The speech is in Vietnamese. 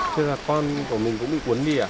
thế là con của mình cũng bị cuốn đi à